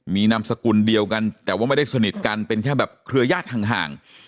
มีนามสกุลเดียวกันแต่ว่าไม่ได้สนิทกันเป็นแค่แบบเครือญาติห่าง